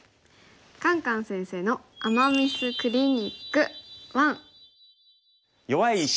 「カンカン先生の“アマ・ミス”クリニック１」。